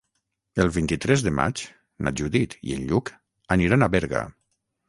El vint-i-tres de maig na Judit i en Lluc aniran a Berga.